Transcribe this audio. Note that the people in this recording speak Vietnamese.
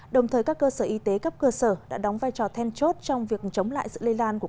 đồng thời các cơ sở y tế cấp cơ sở đã đóng vai trò then chốt trong việc chống lại sự lây lan của